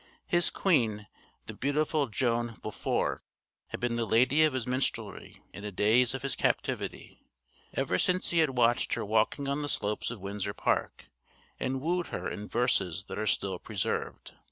His queen, the beautiful Joan Beaufort, had been the lady of his minstrelsy in the days of his captivity, ever since he had watched her walking on the slopes of Windsor Park, and wooed her in verses that are still preserved.